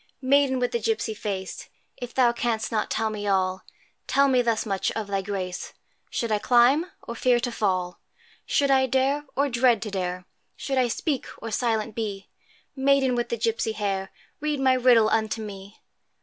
Maiden with the gipsy face, If thou canst not tell me all, Tell me thus much, of thy grace, Should I climb, or fear to fall? Should I dare, or dread to dare? Should I speak, or silent be? Maiden with the gipsy hair, Read my riddle unto me!